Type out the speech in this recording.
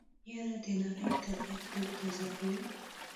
يره د ناړۍ طبعيت روح تازه کوي.